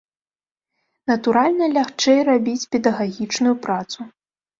Натуральна, лягчэй рабіць педагагічную працу.